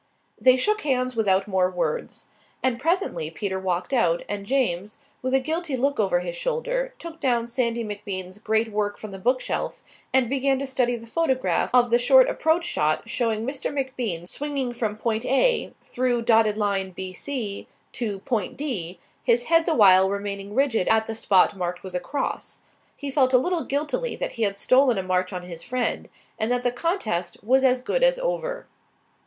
They shook hands without more words. And presently Peter walked out, and James, with a guilty look over his shoulder, took down Sandy MacBean's great work from the bookshelf and began to study the photograph of the short approach shot showing Mr. MacBean swinging from Point A, through dotted line B C, to Point D, his head the while remaining rigid at the spot marked with a cross. He felt a little guiltily that he had stolen a march on his friend, and that the contest was as good as over.